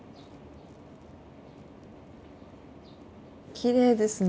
きれいですね。